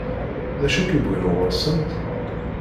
D acu i k-iwwin ɣur-sent?